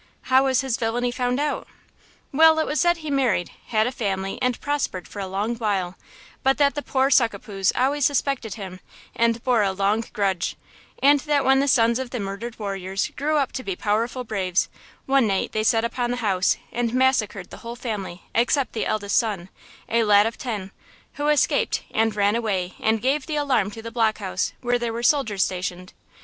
"How was his villainy found out?" "Well, it was said he married, had a family and prospered for a long while; but that the poor Succapoos always suspected him, and bore a long grudge, and that when the sons of the murdered warriors grew up to be powerful braves, one night they set upon the house and massacred the whole family except the eldest son, a lad of ten, who escaped and ran away and gave the alarm to the block house, where there were soldiers stationed.